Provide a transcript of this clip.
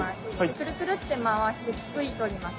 クルクルって回してすくい取ります。